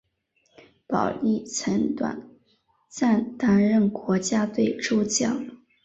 保历曾短暂担任国家队助教。